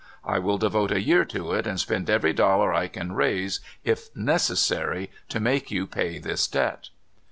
I will devote a year to it and spend every dollar I can raise if necessary to make you pay this debt!